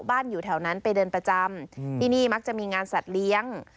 อยู่แถวนั้นไปเดินประจำที่นี่มักจะมีงานสัตว์เลี้ยง